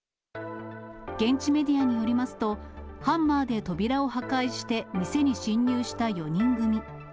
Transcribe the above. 現地メディアによりますと、ハンマーで扉を破壊して、店に侵入した４人組。